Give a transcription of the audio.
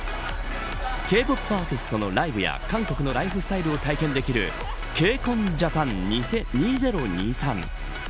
Ｋ‐ＰＯＰアーティストのライブや韓国のライフスタイルを体験できるＫＣＯＮＪＡＰＡＮ２０２３。